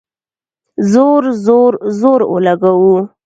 زور ، زور، زور اولګوو